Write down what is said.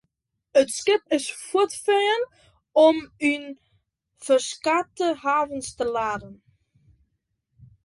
It skip is fuortfearn om yn ferskate havens te laden.